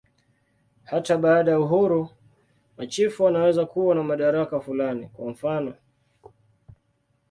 Hata baada ya uhuru, machifu wanaweza kuwa na madaraka fulani, kwa mfanof.